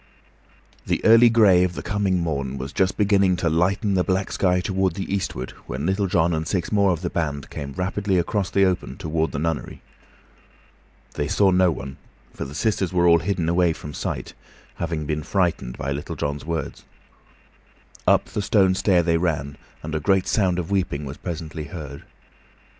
The early gray of the coming morn was just beginning to lighten the black sky toward the eastward when Little John and six more of the band came rapidly across the open toward the nunnery. They saw no one, for the sisters were all hidden away from sight, having been frightened by Little John's words. Up the stone stair they ran, and a great sound of weeping was presently heard.